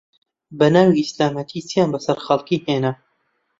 بەناوی ئیسلامەتی چیان بەسەر خەڵکی هێنا